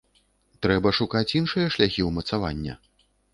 Трэба шукаць іншыя шляхі ўмацавання.